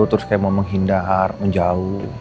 terus kayak mau menghindar menjauh